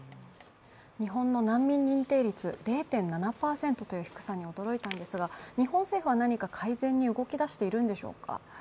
日本の難民認定率０．７％という低さに驚いたんですが、日本政府は何か改善に動きだしているんでしょうか？